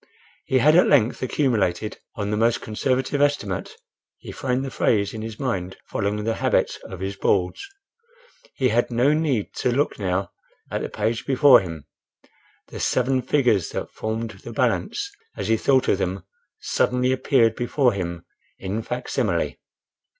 He had at length accumulated, "on the most conservative estimate" (he framed the phrase in his mind, following the habit of his Boards)—he had no need to look now at the page before him: the seven figures that formed the balance, as he thought of them, suddenly appeared before him in facsimile.